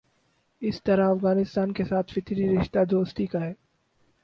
اسی طرح افغانستان کے ساتھ فطری رشتہ دوستی کا ہے۔